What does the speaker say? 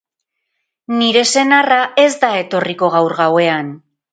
Nire senarra ez da etorriko gaur gauean.